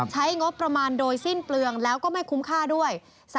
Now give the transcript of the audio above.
ใช้งบประมาณโดยสิ้นเปลืองแล้วก็ไม่คุ้มค่าด้วย